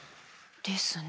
ですね。